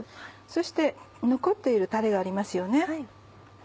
そして残っているたれがありますよね。